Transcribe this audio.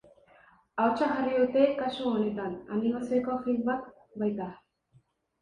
Ahotsa jarri dute kasu honetan, animaziozko film bat baita.